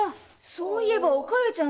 そういえばお加代ちゃん